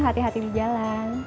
hati hati di jalan